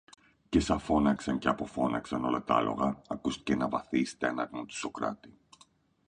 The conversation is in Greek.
Και σα φώναξαν και αποφώναξαν όλα τ' άλογα, ακούστηκε ένα βαθύ στέναγμα του Σωκράτη.